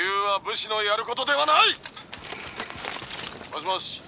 「もしもし？」。